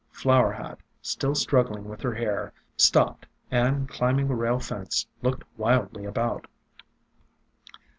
Flower Hat, still struggling with her hair, stopped, and climbing a rail fence, looked wildly about.